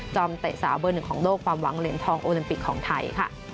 อมเตะสาวเบอร์หนึ่งของโลกความหวังเหรียญทองโอลิมปิกของไทยค่ะ